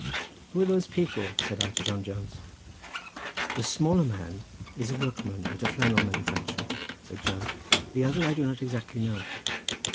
"Who are those people?" said I to John Jones. "The smaller man is a workman at a flannel manufactory," said Jones. "The other I do not exactly know."